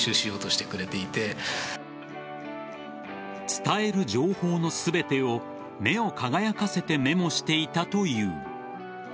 伝える情報の全てを目を輝かせてメモしていたという。